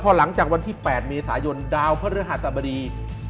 หลังจากวันที่๘เมษายนดาวพระฤหัสบดี